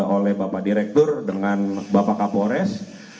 oleh bapak direktur dengan bapak kapolres